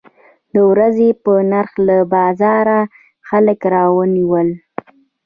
د ورځې په نرخ له بازاره خلک راونیول.